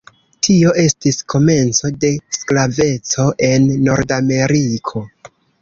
Tio estis komenco de sklaveco en Nordameriko.